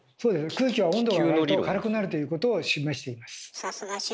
空気は温度が上がると軽くなるということを示しています。